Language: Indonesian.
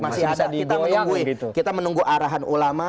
masih bisa diboyangin gitu kita menunggu arahan ulama